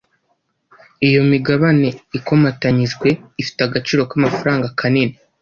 Iyo imigabane ikomatanyijwe ifite agaciro ka amafaranga kanini